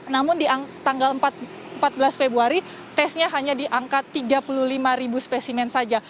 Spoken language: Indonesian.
namun di tanggal empat belas februari tesnya hanya diangkat tiga puluh lima spesimen saja